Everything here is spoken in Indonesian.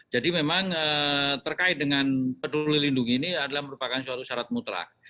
jadi memang terkait dengan peduli lindung ini adalah merupakan suatu syarat mutlak